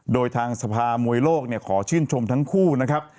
โดยทางสภามวยโลกขอชื่นชมทั้งคู่นะครับ